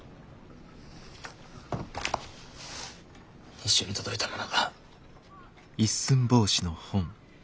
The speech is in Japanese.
一緒に届いたものだ。